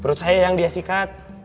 perut saya yang dia sikat